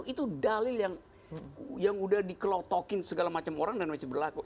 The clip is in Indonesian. itu dalil yang udah dikelotokin segala macam orang dan masih berlaku